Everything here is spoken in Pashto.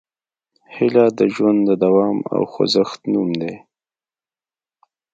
هیله د ژوند د دوام او خوځښت نوم دی.